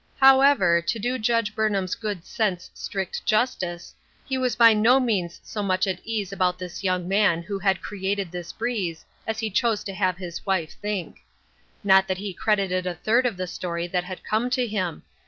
However, to do Judge Burnham's good sense 70 DRIFTING. strict justice, he was by no means so much at ease about the young man who had created this breeze as he chose to have his wife think. Not that he credited a third of the story that had come to him.